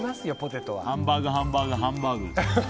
ハンバーグ、ハンバーグハンバーグですよ。